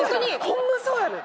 ホンマそうやねん。